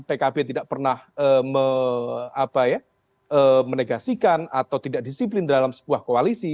pkb tidak pernah menegasikan atau tidak disiplin dalam sebuah koalisi